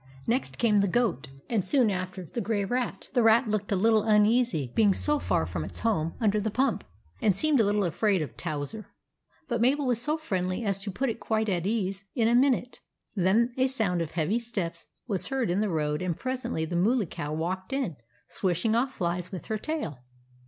Next came the Goat, and soon after the Grey Rat. The Rat looked a little uneasy at being so far from its home under the pump, and seemed a little afraid of Towser ; but Mabel was so friendly as to put it quite at its ease in a minute. Then a sound of heavy steps was heard in the road, and presently the Mooly Cow walked in, swishing off flies with her tail.